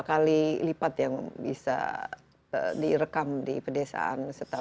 dibanding urban itu berapa kali lipat yang bisa direkam di pedesaan setahun